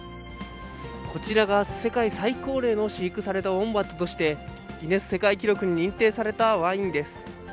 こちらが世界最高齢の飼育されたウォンバットとして、ギネス世界記録に認定されたワインです。